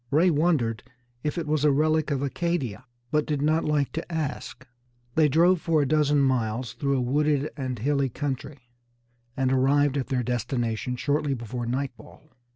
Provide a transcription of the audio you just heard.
Ray wondered if it was a relic of Acadia, but did not like to ask. They drove for a dozen miles through a wooded and hilly country, and arrived at their destination shortly before nightfall.